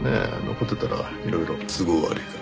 残ってたらいろいろ都合悪いから。